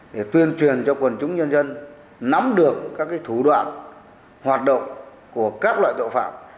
để tuyên truyền cho quần chúng nhân dân nắm được các thủ đoạn hoạt động của các loại tội phạm